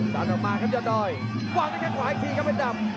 วางได้แค่ขวาอีกทีครับเอ็ดดำ